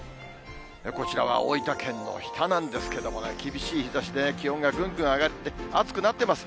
こちらは大分県の日田なんですけども、厳しい日ざしで、気温がぐんぐん上がって、暑くなってます。